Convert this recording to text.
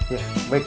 ya baik pak